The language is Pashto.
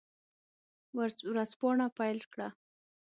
ورځپاڼه پیل کړه.